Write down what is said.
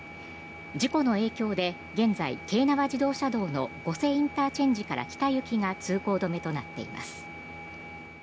事故の影響で現在京奈和自動車道の御所ＩＣから北行きが通行止めとなっています。